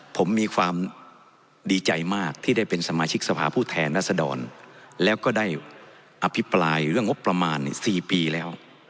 ผมมีความดีใจมากที่ได้เป็นสมาชิกสภาผู้แทนรัศดรแล้วก็ได้อภิปรายเรื่องงบประมาณ๔ปีแล้ว